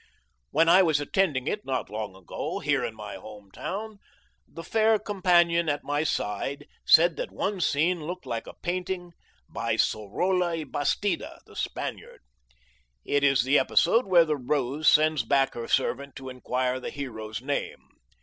When I was attending it not long ago, here in my home town, the fair companion at my side said that one scene looked like a painting by Sorolla y Bastida, the Spaniard. It is the episode where the Rose sends back her servant to inquire the hero's name.